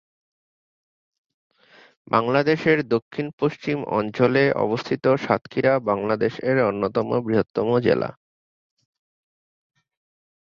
বাংলাদেশ এর দক্ষিণ পশ্চিম অঞ্চলে অবস্থিত সাতক্ষীরা বাংলাদেশ এর অন্যতম বৃহত্তম জেলা।